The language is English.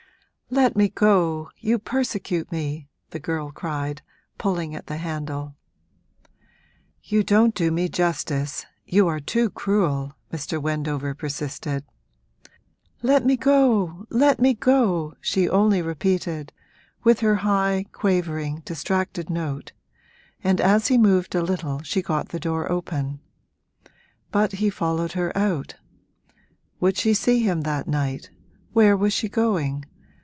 'Let me go you persecute me!' the girl cried, pulling at the handle. 'You don't do me justice you are too cruel!' Mr. Wendover persisted. 'Let me go let me go!' she only repeated, with her high, quavering, distracted note; and as he moved a little she got the door open. But he followed her out: would she see him that night? Where was she going?